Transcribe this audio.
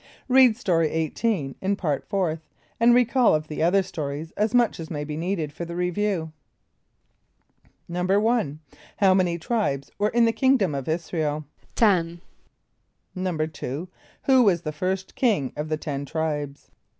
(Read Story 18 in Part Fourth, and recall of the other stories as much as may be needed for the Review.) =1.= How many tribes were in the kingdom of [)I][s+]´ra el? =Ten.= =2.= Who was the first king of the Ten Tribes?